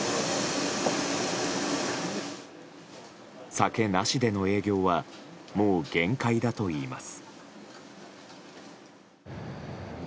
酒なしでの営業はもう限界だといいます。